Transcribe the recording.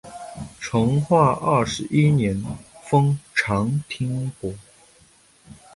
成化二十一年封长宁伯。